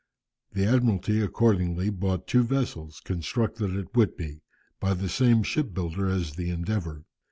The Admiralty accordingly bought two vessels, constructed at Whitby, by the same ship builder as the Endeavour.